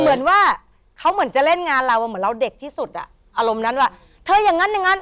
เหมือนว่าเขาเหมือนจะเล่นงานเราเหมือนเราเด็กที่สุดอ่ะอารมณ์นั้นว่าเธออย่างนั้นอย่างนั้น